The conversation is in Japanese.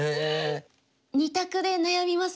２択で悩みますねでも。